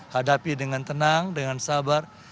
hadapi dengan tenang dengan sabar